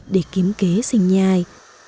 để kiếm kế sinh nhai